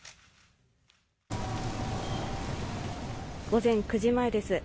午前９時前です。